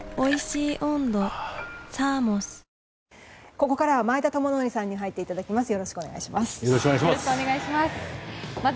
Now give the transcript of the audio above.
ここからは前田智徳さんに入っていただきます。